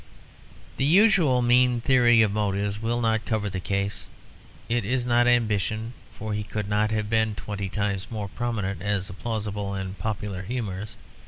The usual mean theory of motives will not cover the case; it is not ambition, for he could have been twenty times more prominent as a plausible and popular humorist.